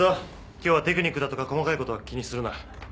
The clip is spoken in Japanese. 今日はテクニックだとか細かいことは気にするな。